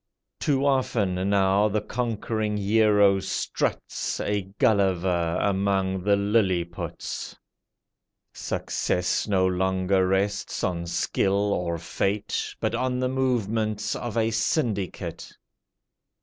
Too often now the conquering hero struts A Gulliver among the Liliputs. Success no longer rests on skill or fate, But on the movements of a syndicate.